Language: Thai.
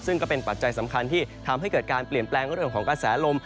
ซึ่งก็เป็นปัจจัยสำคัญที่ทำให้เกิดการเปลี่ยนแปลงเรื่องของกระแสลม